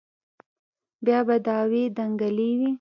بيا به دعوې دنگلې وې.